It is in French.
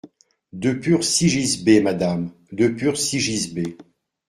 De purs sigisbées, madame, de purs sigisbées.